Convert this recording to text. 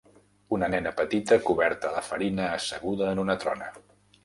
Una nena petita coberta de farina asseguda en una trona.